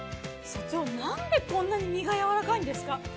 社長なんでこんなに身がやわらかいんですか？